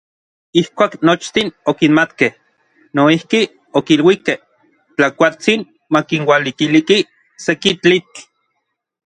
Ijkuak nochtin okimatkej, noijki okiluikej Tlakuatsin makinualikiliki seki tlitl.